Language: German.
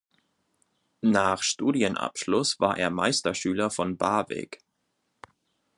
Nach Studienabschluss war er Meisterschüler von Barwig.